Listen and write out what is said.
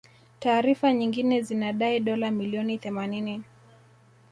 Taarifa nyingine zinadai dola milioni themanini